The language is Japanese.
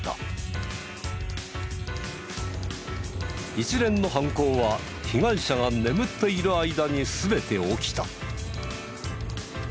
一連の犯行は被害者が眠っている間に全て起きた。